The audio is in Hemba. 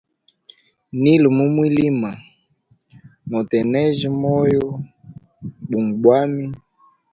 Nili mumwilima, notegnena moyo bunga bwami.